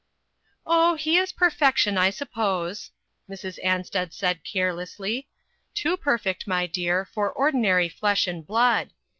" Oh, he is perfection, I suppose," Mrs. Ansted said carelessly; "too perfect, my dear, for ordinary flesh and blood.